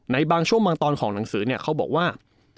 ในบางช่วงบางตอนของหนังสือเนี่ยเขาบอกว่า